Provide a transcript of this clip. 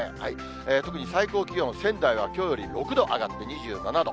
特に最高気温、仙台はきょうより６度上がって２７度。